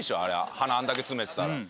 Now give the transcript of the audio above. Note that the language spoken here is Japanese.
鼻あんだけ詰めてたら。